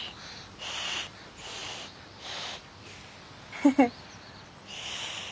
フフッ。